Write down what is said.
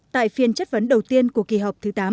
tại phiên chất vấn đầu tiên của kỳ họp thứ tám